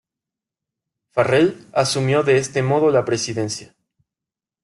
Farrell asumió de este modo la presidencia.